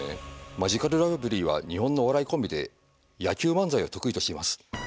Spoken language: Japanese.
「マヂカルラブリーは日本のお笑いコンビで野球漫才を得意としています。